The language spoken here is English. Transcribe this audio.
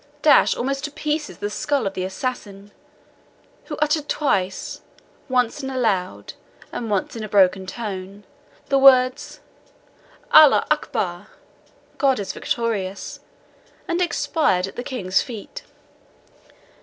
dashed almost to pieces the skull of the assassin, who uttered twice, once in a loud, and once in a broken tone, the words ALLAH ACKBAR! God is victorious and expired at the King's feet.